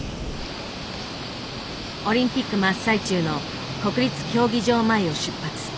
オリンピック真っ最中の国立競技場前を出発。